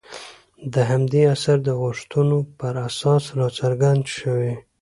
د همدې عصر د غوښتنو پر اساس راڅرګند شوي.